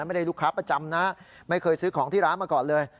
ไม่ได้ลูกค้าประจำนะไม่เคยซื้อของที่ร้านมาก่อนเลย